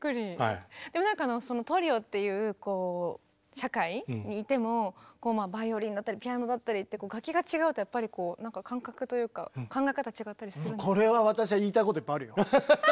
でもなんかそのトリオっていうこう社会にいてもバイオリンだったりピアノだったりってこれは私は言いたいこといっぱいあるよ。